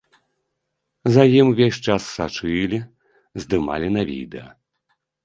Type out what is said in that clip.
За ім увесь час сачылі, здымалі на відэа.